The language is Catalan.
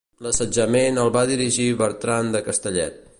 L'assetjament el va dirigir Bertran de Castellet.